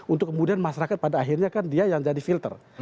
untuk kemudian masyarakat pada akhirnya kan dia yang jadi filter